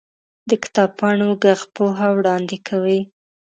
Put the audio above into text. د کتاب پاڼو ږغ پوهه وړاندې کوي.